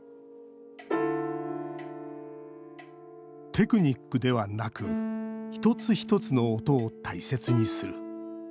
テクニックではなくひとつひとつの音を大切にする。